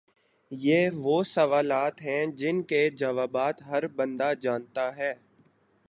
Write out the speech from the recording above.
یہ وہ سوالات ہیں جن کے جوابات ہر بندہ جانتا ہے